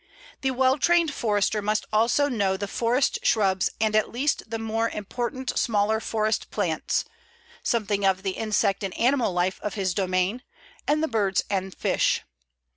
The well trained Forester must also know the forest shrubs and at least the more important smaller forest plants, something of the insect and animal life of his domain, and the birds and fish.